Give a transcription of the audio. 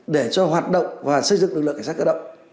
để cho hoạt động và xây dựng lực lượng cảnh sát cơ động